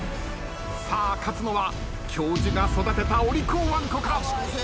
さあ勝つのは教授が育てたお利口わんこか？